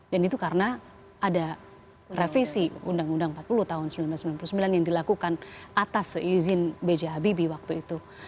dan itu karena ada revisi undang undang empat puluh tahun seribu sembilan ratus sembilan puluh sembilan yang dilakukan atas izin biji habibie waktu itu